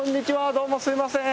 どうもすいません。